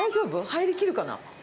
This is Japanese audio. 入りきるかな？